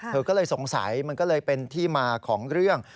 เธอก็เลยสงสัยมันก็เลยเป็นที่มาของเรื่อง